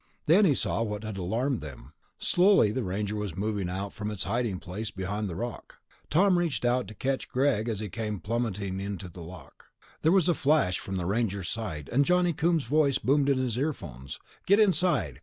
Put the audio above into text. Then he saw what had alarmed them. Slowly, the Ranger was moving out from its hiding place behind the rock. Tom reached out to catch Greg as he came plummeting into the lock. There was a flash from the Ranger's side, and Johnny Coombs' voice boomed in his earphones: "Get inside!